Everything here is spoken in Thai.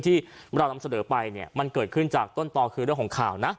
ที่เรานำเสนอไปเนี่ยมันเกิดขึ้นจากต้นตอคือเรื่องของข่าวนะ